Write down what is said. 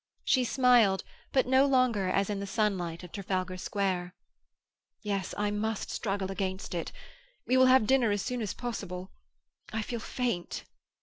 She smiled, but no longer as in the sunlight of Trafalgar Square. "Yes, I must struggle against it. We will have dinner as soon as possible. I feel faint."